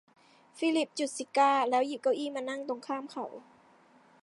ฟิลิปจุดซิการ์แล้วหยิบเก้าอี้มานั่งตรงข้ามเขา